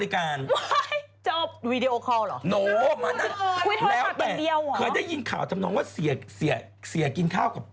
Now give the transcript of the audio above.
คือคุย